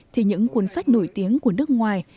thì những cuốn sách nổi tiếng của nước ngoài